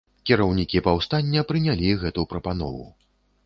Кіраўнікі паўстання прынялі гэту прапанову.